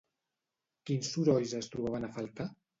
Quins sorolls es trobaven a faltar?